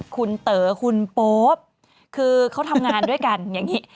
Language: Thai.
คุณเต๋อคุณโป๊ปคือเขาทำงานด้วยกันอย่างนี้